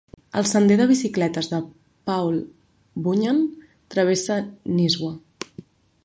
El sender de bicicletes de Paul Bunyan travessa Nisswa.